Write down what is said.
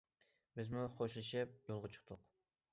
بىزمۇ خوشلىشىپ يولغا چىقتۇق.